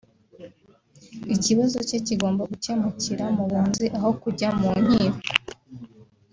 ikibazo cye kigomba gukemukira mu bunzi aho kujya mu nkiko